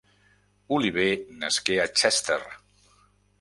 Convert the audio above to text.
Oliver nasqué a Chester.